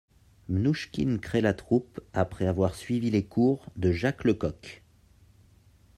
Mnouchkine crée la troupe après avoir suivi les cours de Jacques Lecoq.